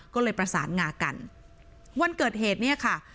ก็เลยประสานงากันวันเกิดเหตุเนี่ยค่ะ